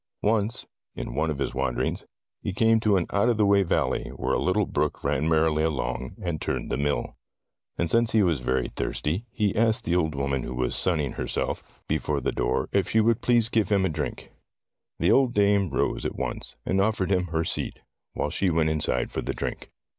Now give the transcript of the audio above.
Once, in one of his wanderings, he came to an out of the way valley, where a little brook ran merrily along and turned the mill. And since he was very thirsty, he asked the old woman who sat sunning her 14 Tales of Modern Germany self before the door, if she would please give him a drink. The old dame rose at once, and offered him her seat, while she went inside for the drink.